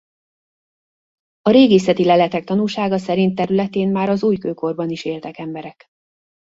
A régészeti leletek tanúsága szerint területén már az újkőkorban is éltek emberek.